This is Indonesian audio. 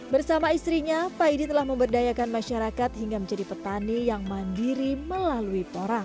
bersama istrinya paidi telah memberdayakan masyarakat hingga menjadi petani yang mandiri melalui porang